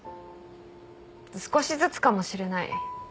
少しずつかもしれない。